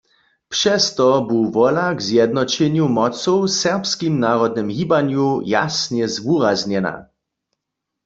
Přez to bu wola k zjednoćenju mocow w serbskim narodnym hibanju jasnje zwuraznjena.